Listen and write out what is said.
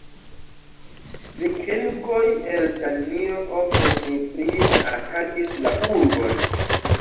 Vikingoj el Danio ofte surprize atakis la urbon.